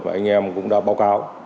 mà anh em cũng đã báo cáo